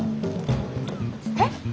えっ？